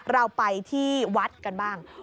เราไปที่วัดกันบ้าง